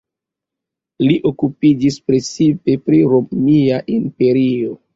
Li okupiĝis precipe pri Romia Imperio.